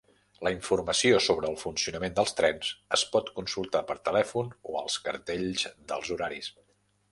La informació sobre el funcionament dels trens es pot consultar per telèfon o als cartells dels horaris.